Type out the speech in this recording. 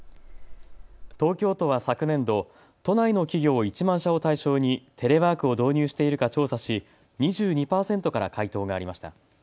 東京都は昨年度、都内の企業１万社を対象にテレワークを導入しているか調査し２２％から回答がありました。